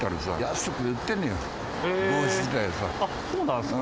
へぇそうなんですか。